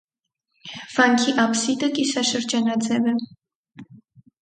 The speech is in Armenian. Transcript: Վանքի աբսիդը կիսաշրջանաձև է։